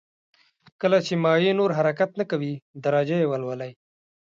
کله چې مایع نور حرکت نه کوي درجه یې ولولئ.